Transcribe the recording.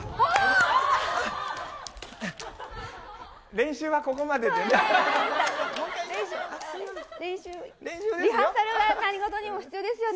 練習はここまででね。